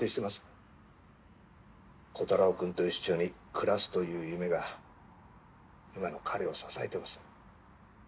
コタローくんと一緒に暮らすという夢が今の彼を支えてます。